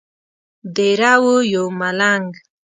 دیره وو یو ملنګ.